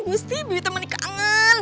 gusti bebi teman di kangen